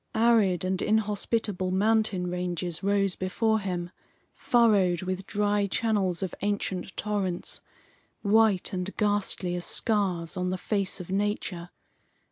Arid and inhospitable mountain ranges rose before him, furrowed with dry channels of ancient torrents, white and ghastly as scars on the face of nature.